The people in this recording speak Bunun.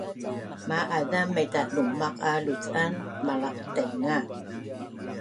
ma azam maitatlumaq a luc’an malaqtainga